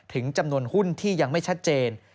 จำนวนหุ้นที่ยังไม่ชัดเจน